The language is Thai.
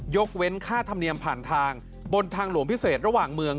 เว้นค่าธรรมเนียมผ่านทางบนทางหลวงพิเศษระหว่างเมือง